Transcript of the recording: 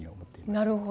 なるほど。